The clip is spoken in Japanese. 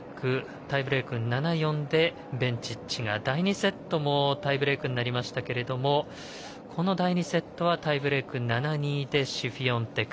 タイブレーク７−４でベンチッチが第２セットもタイブレークになりましたがこの第２セットはタイブレーク７−２でシフィオンテク。